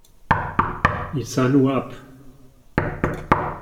Nisannu ab.